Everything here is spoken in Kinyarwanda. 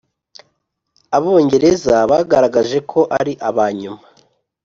Abongereza bagaragaje ko ari abanyuma